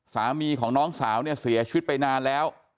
สามีของน้องสาวเนี่ยเสียชีวิตไปนานแล้ว